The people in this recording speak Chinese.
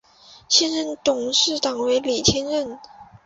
现任董事长为李天任。